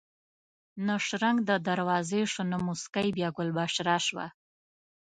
نه شرنګ د دروازې شو نه موسکۍ بیا ګل بشره شوه